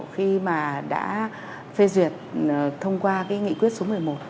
khi mà đã phê duyệt thông qua cái nghị quyết số một mươi một